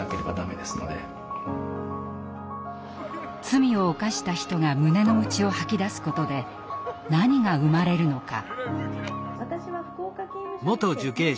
罪を犯した人が胸の内を吐き出すことで何が生まれるのか。